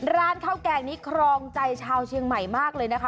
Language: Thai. ร้านข้าวแกงนี้ครองใจชาวเชียงใหม่มากเลยนะคะ